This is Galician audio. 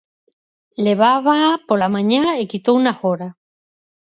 Levábaa pola mañá e quitouna agora.